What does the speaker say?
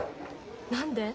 何で？